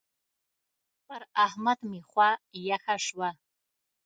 پر احمد مې خوا يخه شوه.